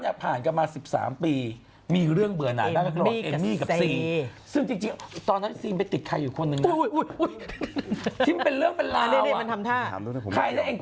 เมื่อทางกามา๑๓ปีมีเรื่องเบื่อไหวด้านนี้กับซีหรือตอนนั้นไปติดใครอยู่ค่อนข้าง